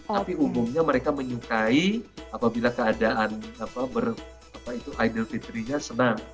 tapi umumnya mereka menyukai apabila keadaan idul fitrinya senang